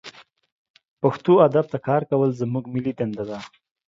پښتو ادب ته کار کول زمونږ ملي دنده ده